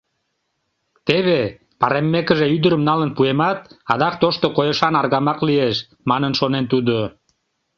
Теве, пареммекыже, ӱдырым налын пуэмат, адак тошто койышан аргамак лиеш, — манын шонен тудо.